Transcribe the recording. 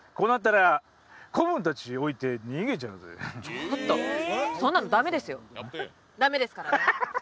ちょっとそんなのダメですよダメですからねハハハハ！